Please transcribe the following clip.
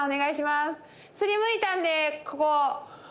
すりむいたんでここ！